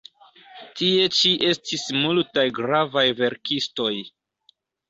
Tie ĉi estis multaj gravaj verkistoj.